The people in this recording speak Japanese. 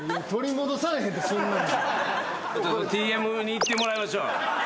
Ｔ．Ｍ．にいってもらいましょう。